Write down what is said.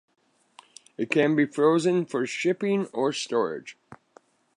It can be frozen for shipping or storage.